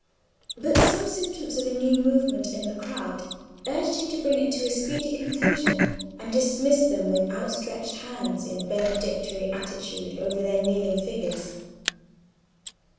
But some symptoms of a new movement in the crowd urged him to bring it to a speedy conclusion and dismiss them with hands outstretched in a benedictory attitude over their kneeling figures.